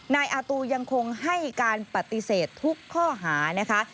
นายอาตูยังคงให้การปฏิเสธทุกข้อหานะคะ